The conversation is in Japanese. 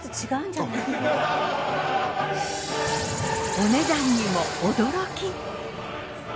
お値段にも驚き。